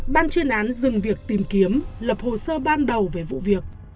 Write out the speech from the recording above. ban chuyên án dừng việc tìm kiếm lập hồ sơ ban đầu về vụ việc